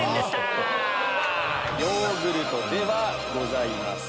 ヨーグルトではございません。